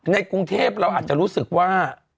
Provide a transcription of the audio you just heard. ในกรุงเทพเราอาจจะรู้สึกว่า